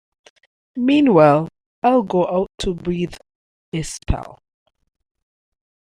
Meanwhile I'll go out to breathe a spell.